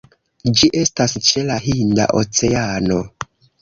Ĝi estas ĉe la Hinda Oceano.